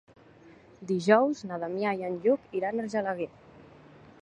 Dijous na Damià i en Lluc iran a Argelaguer.